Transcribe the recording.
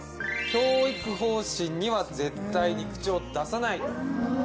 「教育方針には絶対口を出さない」。